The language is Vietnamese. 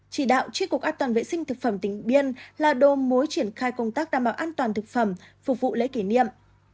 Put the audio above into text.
chỉ đạo tri cục an toàn vệ sinh thực phẩm tỉnh biên là đồ mối triển khai công tác đảm bảo an toàn thực phẩm phục vụ lễ kỷ niệm